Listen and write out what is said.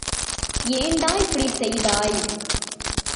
ஏண்டா இப்படி செய்தாய்?